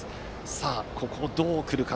さあ、ここはどう来るか。